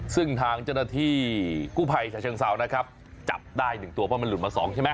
ซึ่งทางเจ้าหน้าที่กู้ภัยฉะเชิงเซานะครับจับได้๑ตัวเพราะมันหลุดมา๒ใช่ไหม